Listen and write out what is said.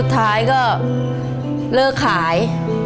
ท้ายก็เลิกขาย